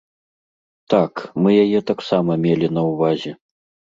Так, мы яе таксама мелі на ўвазе.